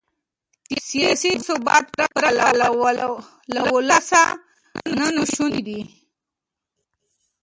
سیاسي ثبات پرته له ولسه ناشونی دی.